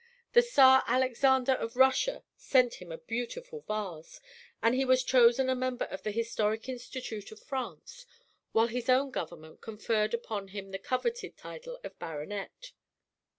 The Czar Alexander of Russia sent him a beautiful vase, and he was chosen a member of the historic Institute of France; while his own government conferred upon him the coveted title of baronet.